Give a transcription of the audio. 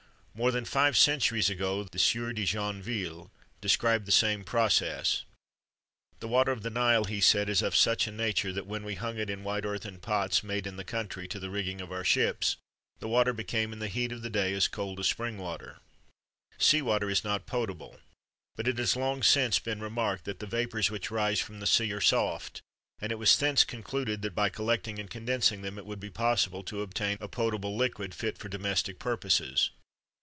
More than five centuries ago the Sieur de Joinville described the same process. "The water of the Nile," he said, "is of such a nature, that when we hung it in white earthen pots, made in the country, to the rigging of our ships, the water became in the heat of the day as cold as spring water."[XXV 44] Sea water is not potable, but it has long since been remarked that the vapours which rise from the sea are soft, and it was thence concluded that, by collecting and condensing them, it would be possible to obtain a potable liquid fit for domestic purposes.